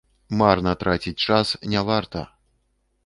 Марна траціць час не варта!